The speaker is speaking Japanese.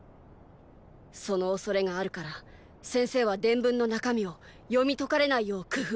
その恐れがあるから先生は伝文の中身を読み解かれないよう工夫した。